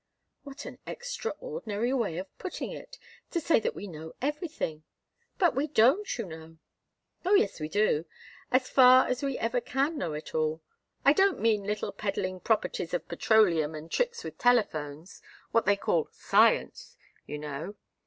"What an extraordinary way of putting it to say that we know everything! But we don't, you know!" "Oh, yes, we do as far as we ever can know at all. I don't mean little peddling properties of petroleum and tricks with telephones what they call science, you know.